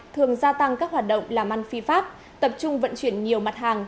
thường gia tăng các hoạt động làm ăn phi pháp tập trung vận chuyển nhiều mặt hàng